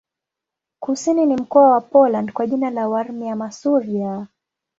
Kusini ni mkoa wa Poland kwa jina la Warmia-Masuria.